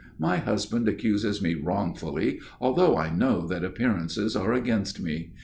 My husband accuses me wrongfully, although I know that appearances are against me.